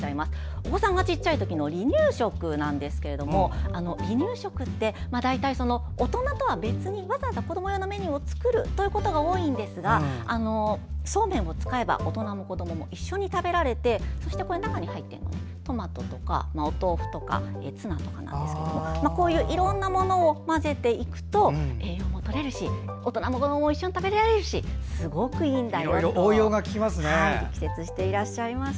お子さんが小さい時の離乳食なんですけど離乳食って、大体大人とは別に子ども用のメニューを作るということが多いんですがそうめんを使えば大人も子どもも一緒に食べられてそして中に入っているのはトマトとかお豆腐とかツナなんですがこういういろんなものを混ぜていくと栄養も取れるし大人も子どもも一緒に食べられていろいろ応用が利きますね。